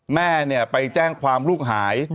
แม่ไปแจ้งความลูกหาย